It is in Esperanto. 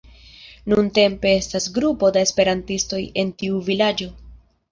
Nuntempe estas grupo da esperantistoj en tiu vilaĝo.